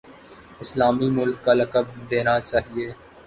اسلامی ملک کا لقب دینا چاہیے۔